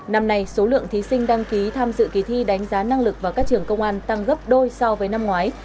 năm nay số lượng thí sinh đăng ký tham dự kỳ thi đánh giá năng lực vào các trường công an tăng gấp đôi so với năm ngoái